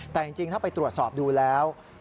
แต่จริงถ้าไปตรวจสอบดูแล้ว